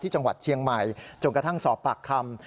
จังหวัดเชียงใหม่จนกระทั่งสอบปากคำ